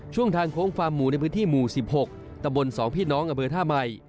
ทางโค้งฟาร์มหมูในพื้นที่หมู่๑๖ตำบล๒พี่น้องอำเภอท่าใหม่